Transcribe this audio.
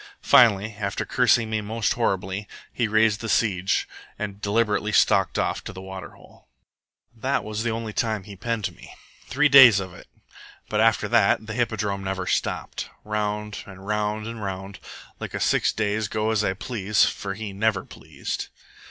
Finally, after cursing me most horribly, he raised the siege and deliberately stalked off to the water hole. "That was the only time he penned me, three days of it, but after that the hippodrome never stopped. Round, and round, and round, like a six days' go as I please, for he never pleased.